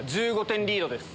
１５点リードです。